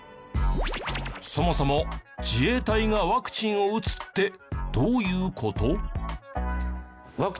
そもそも自衛隊がワクチンを打つってどういう事？